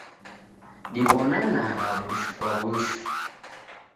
Diw'onanagha w'ushu kwa w'ushu.